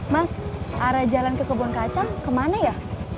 mas arah jalan ke kebun kacang kemana ya